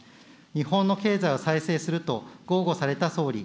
日本の経済を再生すると豪語された総理。